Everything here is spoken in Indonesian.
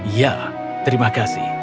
ya terima kasih